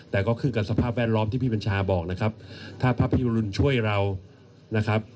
แต่ก็ขึ้นกับสภาพแวดล้อมที่พี่บัญชาบอกนะครับถ้าพระพี่อรุณช่วยเรานะครับ